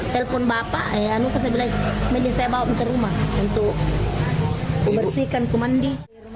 telepon bapak ya luka saya bilang meja saya bawa ke rumah untuk membersihkan kumandi